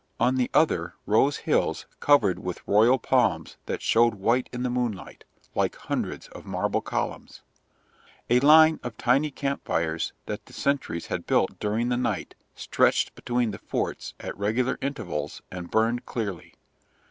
On the other rose hills covered with royal palms that showed white in the moonlight, like hundreds of marble columns. A line of tiny camp fires that the sentries had built during the night stretched between the forts at regular intervals and burned clearly.